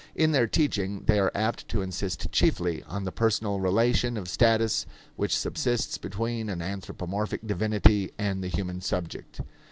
In their teaching they are apt to insist chiefly on the personal relation of status which subsists between an anthropomorphic divinity and the human subject.